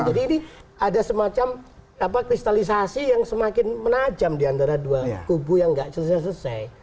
jadi ini ada semacam kristalisasi yang semakin menajam di antara dua kubu yang tidak selesai selesai